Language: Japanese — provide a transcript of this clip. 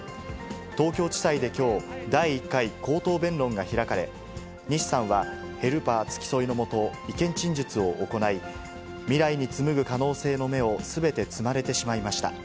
東京地裁できょう、第１回口頭弁論が開かれ、西さんは、ヘルパー付き添いの下、意見陳述を行い、未来に紡ぐ可能性の芽をすべて摘まれてしまいました。